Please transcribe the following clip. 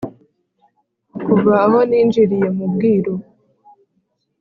Kuva aho ninjiriye mu Bwiru